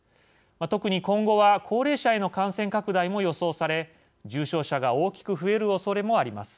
特に今後は高齢者への感染拡大も予想され重症者が大きく増えるおそれもあります。